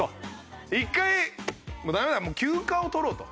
「１回もうダメだ休暇を取ろう」と。